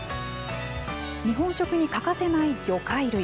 日本食に欠かせない魚介類。